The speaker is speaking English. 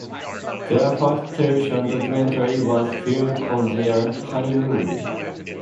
Their first television documentary was filmed on their honeymoon.